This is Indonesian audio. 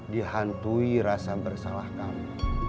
dihantui rasa bersalah kamu